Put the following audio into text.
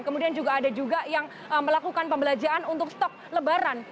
kemudian juga ada yang melakukan pembelanjaan untuk stok lebaran